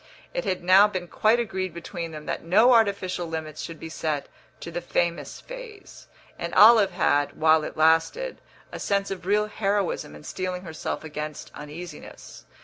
It had now been quite agreed between them that no artificial limits should be set to the famous phase; and Olive had, while it lasted, a sense of real heroism in steeling herself against uneasiness.